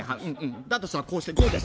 だとしたらこうしてこうです！